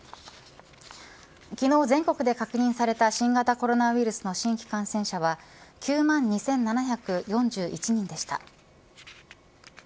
昨日、全国で確認された新型コロナウイルスの新規感染者は９万２７４１人でした。